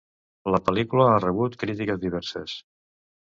La pel·lícula ha rebut crítiques diverses.